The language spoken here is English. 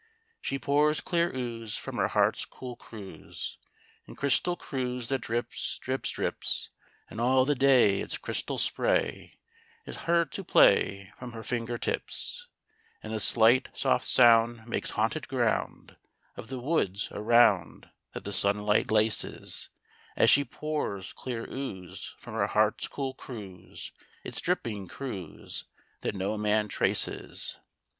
She pours clear ooze from her heart's cool cruse, Its crystal cruse that drips, drips, drips: And all the day its crystal spray Is heard to play from her finger tips: And the slight, soft sound makes haunted ground Of the woods around that the sunlight laces, As she pours clear ooze from her heart's cool cruse, Its dripping cruse that no man traces.